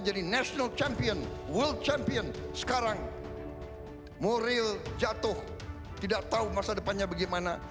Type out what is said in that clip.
jadi national champion world champion sekarang moreal jatuh tidak tahu masa depannya bagaimana